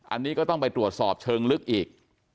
อันนี้ก็ต้องไปตรวจสอบเชิงลึกอีก